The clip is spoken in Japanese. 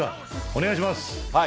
お願いします。